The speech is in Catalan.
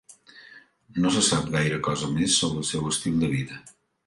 No se sap gaire cosa més sobre el seu estil de vida.